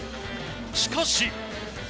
しかし。